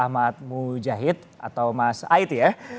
ahmad mujahid atau mas aid ya